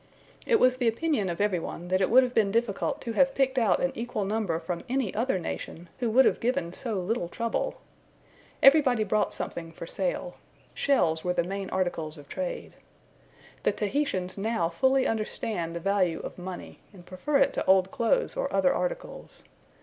It was the opinion of every one that it would have been difficult to have picked out an equal number from any other nation, who would have given so little trouble. Everybody brought something for sale: shells were the main articles of trade. The Tahitians now fully understand the value of money, and prefer it to old clothes or other articles.